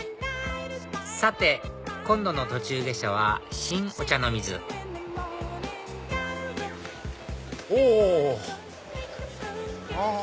さて今度の途中下車は新御茶ノ水おあ。